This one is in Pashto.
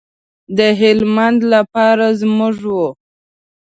د هلمند لپاره زموږ و.